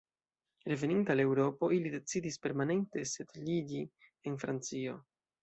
Reveninte al Eŭropo, ili decidis permanente setliĝi en Francio.